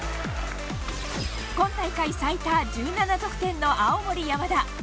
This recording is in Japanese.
今大会最多１７得点の青森山田